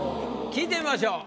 聞いてみましょう。